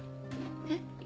えっ？